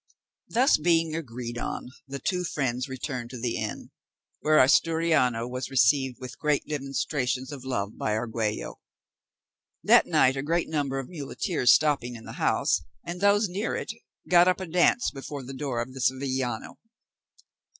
This being agreed on, the two friends returned to the inn, where Asturiano was received with great demonstrations of love by Argüello. That night a great number of muleteers stopping in the house, and those near it, got up a dance before the door of the Sevillano.